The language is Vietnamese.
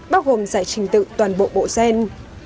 bao gồm giải trình tự toàn bộ bộ gen